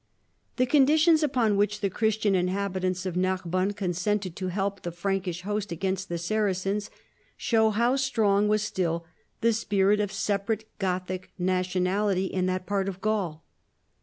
The conditions upon which the Christian inhab itants of I^arbonne consented to help the Frankish host against the Saracens, show how strong was still the spirit of separate Gothic nationality in that part of Gaul.